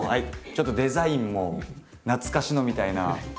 ちょっとデザインも懐かしのみたいな。